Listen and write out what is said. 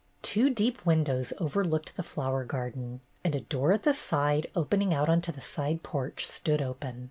Two deep windows overlooked the flower garden, and a door at the side, opening out on the side porch, stood open.